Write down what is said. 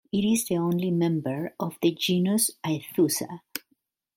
It is the only member of the genus Aethusa.